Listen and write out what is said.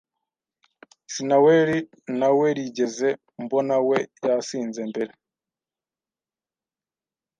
Sinaweri nawerigeze mbonawe yasinze mbere.